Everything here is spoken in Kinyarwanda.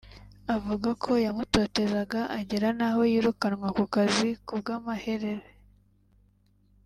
avuga ko yamutotezaga agera n’aho yirukannwa ku kazi ku bw’amaherere